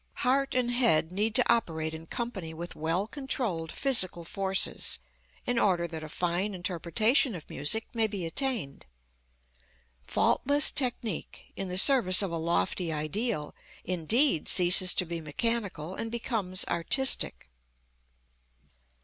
Heart and head need to operate in company with well controlled physical forces, in order that a fine interpretation of music may be attained. Faultless technique, in the service of a lofty ideal, indeed ceases to be mechanical and becomes artistic.